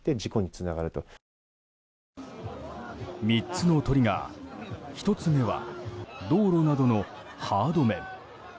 ３つのトリガー１つ目は道路などのハード面。